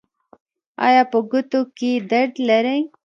ایا په ګوتو کې درد لرئ؟